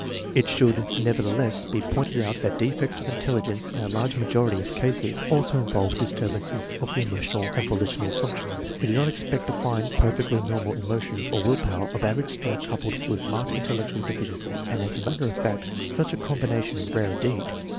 It should, nevertheless, be pointed out that defects of intelligence, in a large majority of cases, also involve dis turbances of the emotional and volitional functions. We do not expect to find perfectly normal emotions or will power of average strength coupled with marked intellectual deficiency, and as a matter of fact such a combination is rare indeed.